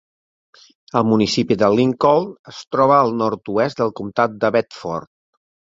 El municipi de Lincoln es troba al nord-oest del comtat de Bedford.